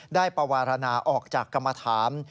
ปวารณาออกจากกรรมฐาน